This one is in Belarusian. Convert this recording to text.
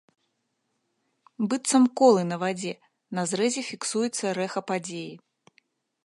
Быццам колы на вадзе, на зрэзе фіксуецца рэха падзеі.